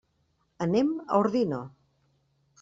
Anem a Ordino.